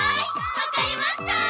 わかりました！